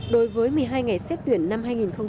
đối với một mươi hai ngày xét tuyển năm hai nghìn một mươi sáu